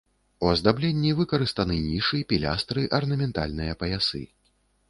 У аздабленні выкарыстаны нішы, пілястры, арнаментальныя паясы.